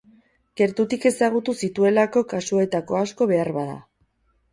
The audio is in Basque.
Gertutik ezagutu zituelako kasuetako asko beharbada.